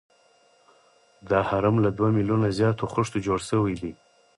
دا هرم له دوه میلیونه زیاتو خښتو جوړ شوی دی.